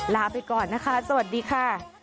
ลาไปก่อนนะคะสวัสดีค่ะ